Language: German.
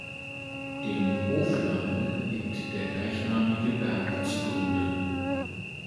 Dem Hofnamen liegt der gleichnamige Berg zugrunde.